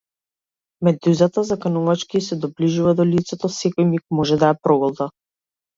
Медузата заканувачки ѝ се доближува до лицето, секој миг може да ја проголта.